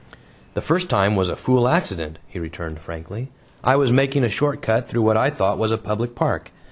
"The first time was a fool accident," he returned frankly. "I was making a short cut through what I thought was a public park.